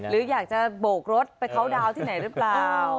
หรืออยากจะโบกรถไปเคาน์ดาวน์ที่ไหนหรือเปล่า